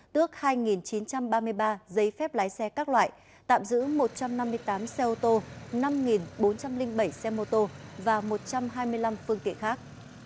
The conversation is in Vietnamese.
tước hai chín trăm ba mươi ba giấy phép lái xe các loại tạm giữ một trăm năm mươi tám xe ô tô năm bốn trăm linh bảy xe mô tô và một trăm hai mươi năm phương tiện khác